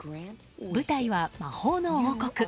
舞台は、魔法の王国。